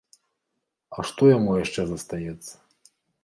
А што яму яшчэ застаецца?